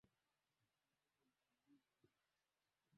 frika wengi hasa vijijini elimu ni duni na wengi kabisa hawana elimu